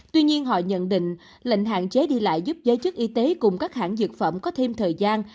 tuy nhiên họ nhận định lệnh hạn chế đi lại giúp giới chức y tế cùng các hãng dược phẩm có thêm thời gian